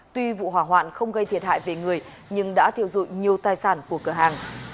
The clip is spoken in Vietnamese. tuy vụ hỏa hoạn không gây thiệt hại về người nhưng đã thiêu dụi nhiều tài sản của cửa hàng